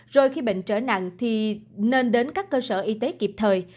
rồi khi bệnh trở nặng thì nên đến các cơ sở y tế kịp thời